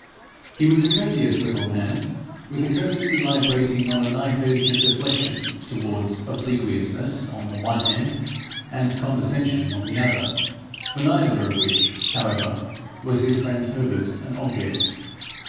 He was a courteous little man, with a courtesy librating on a knife edge of deflection towards obsequiousness on the one hand and condescension on the other, for neither of which, however, was his friend Herbert an object.